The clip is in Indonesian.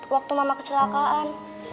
waktu mama kecelakaan